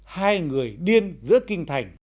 hai người điên giữa kinh thành